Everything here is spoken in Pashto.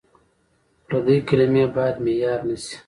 پردۍ کلمې باید معیار نه شي.